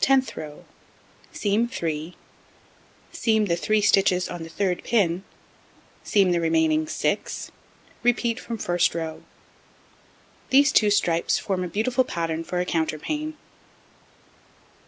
Tenth row: Seam 3, seam the 3 stitches on the third pin, seam the remaining 6, repeat from first row. These 2 stripes form a beautiful pattern for a counterpane.